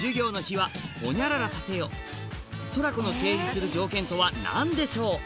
トラコの提示する条件とは何でしょう？